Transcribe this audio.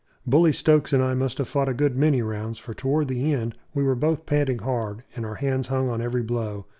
Bully Stokes and I must have fought a good many rounds, for towards the end we were both panting hard, and our hands hung on every blow.